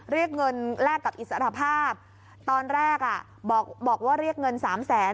เรียกเงินแลกกับอิสรภาพตอนแรกอ่ะบอกว่าเรียกเงินสามแสน